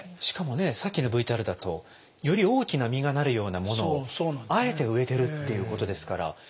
しかもねさっきのＶＴＲだとより大きな実がなるようなものをあえて植えてるっていうことですから。